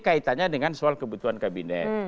kaitannya dengan soal kebutuhan kabinet